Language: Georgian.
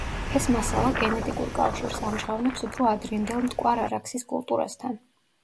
ეს მასალა გენეტიკურ კავშირს ამჟღავნებს უფრო ადრინდელ მტკვარ-არაქსის კულტურასთან.